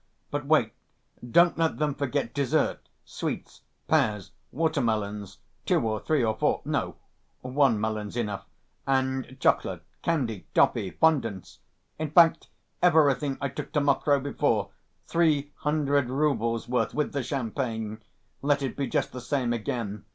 But wait: don't let them forget dessert, sweets, pears, water‐melons, two or three or four—no, one melon's enough, and chocolate, candy, toffee, fondants; in fact, everything I took to Mokroe before, three hundred roubles' worth with the champagne ... let it be just the same again.